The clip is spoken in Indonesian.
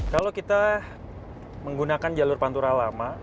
kalau kita menggunakan jalur pantura lama